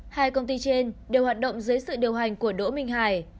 hai công ty trên đều hoạt động dưới sự điều hành của đỗ minh hải